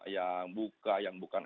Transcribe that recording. yang buka yang bukan